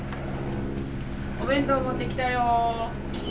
お弁当持ってきたよ。